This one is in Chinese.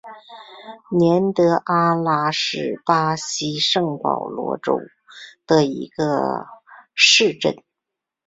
年德阿拉是巴西圣保罗州的一个市镇。